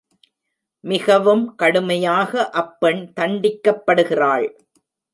மிகவும் கடுமையாக அப்பெண் தண்டிக்கப்படுகிறாள்.